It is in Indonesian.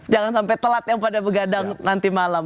jangan sampai telat yang pada begadang nanti malam